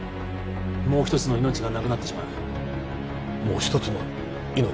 もう一つの命がなくなってしまうもう一つの命？